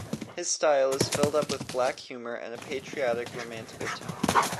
His style is filled up with black humor and a patriotic romantical tone.